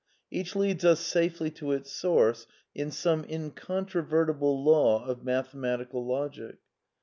Each leads us safely to its source in some incontrovertible law of mathematical logic.